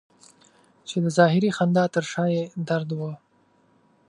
چې د ظاهري خندا تر شا یې درد و.